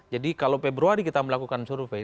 jadi kalau februari kita melakukan survei